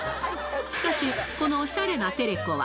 しかしこのおしゃれなテレコは。